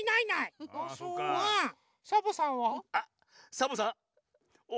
サボさんは？